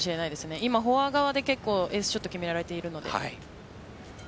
今、フォア側でエースショットを決められているので。